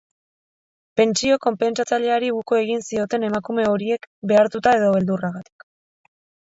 Pentsio konpentsatzaileari uko egin zioten emakume horiek behartuta edo beldurragatik.